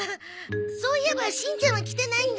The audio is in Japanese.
そういえばしんちゃんは来てないんだね？